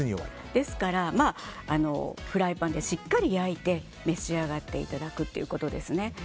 ですからフライパンでしっかり焼いて召し上がっていただくということですね。